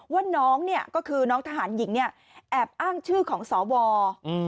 ว่าน้องก็คือน้องทหารหญิงแอบอ้างชื่อของสอวร